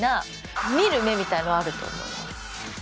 見る目みたいなのはあると思います。